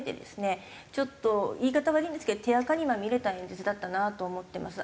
ちょっと言い方は悪いんですけど手あかにまみれた演説だったなと思ってます。